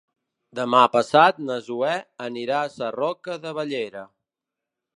Demà passat na Zoè anirà a Sarroca de Bellera.